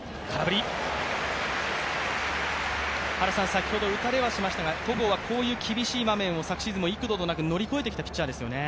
先ほど打たれはしましたが、戸郷はこういう厳しい場面を昨シーズンも幾度となく乗り越えてきたピッチャーですよね。